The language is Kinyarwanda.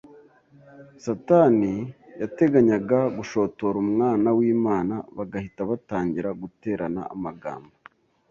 Satani yateganyaga gushotora Umwana w’Imana bagahita batangira guterana amagambo;